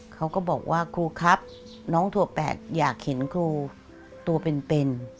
เขาก็บอกว่าครูครับน้องถั่วแปดอยากเห็นครูตัวเป็น